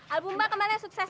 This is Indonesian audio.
album mbak kemarin sukses